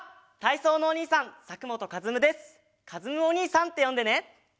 かずむおにいさんってよんでね。